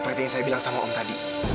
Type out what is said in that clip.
seperti yang saya bilang sama om tadi